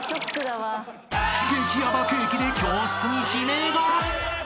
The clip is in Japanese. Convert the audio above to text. ［激ヤバケーキで教室に悲鳴が！？］